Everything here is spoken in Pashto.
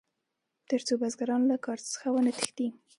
تر څو بزګران له کار څخه ونه تښتي.